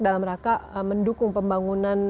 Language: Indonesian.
dalam mereka mendukung pembangunan